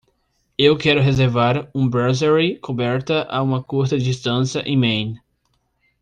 Eu quero reservar uma brasserie coberta a uma curta distância em Maine.